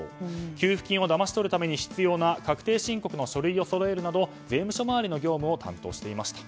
給付金をだまし取るために必要な確定申告の書類を集めるなど税務署周りの業務を担当していました。